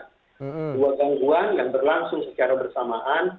kedua gangguan yang berlangsung secara bersamaan